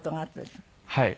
はい。